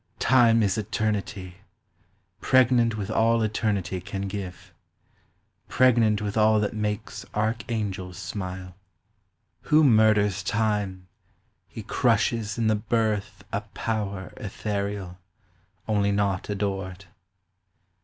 — Time is eternity ; Pregnant with all eternity can give ; Pregnant with all that makes archangels smile. 187 188 POEMS OF SENTIMENT. Who murders time, he crushes in the birth A power ethereal, only not adored.